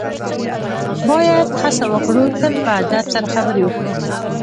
باید هڅه وکړو تل په ادب سره خبرې وکړو.